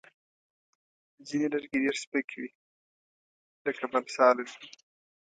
ځینې لرګي ډېر سپک وي، لکه بالسا لرګی.